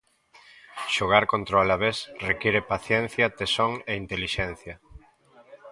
Xogar contra o Alavés require paciencia, tesón e intelixencia.